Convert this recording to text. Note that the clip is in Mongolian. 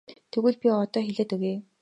Тэгвэл би одоо хэлээд өгье.